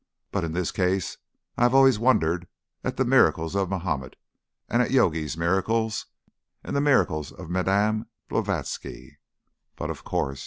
But in this case ... I have always wondered at the miracles of Mahomet, and at Yogi's miracles, and the miracles of Madame Blavatsky. But, of course!